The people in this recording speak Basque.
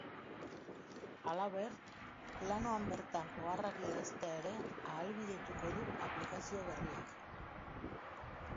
Halaber, planoan bertan oharrak idaztea ere ahalbidetuko du aplikazio berriak.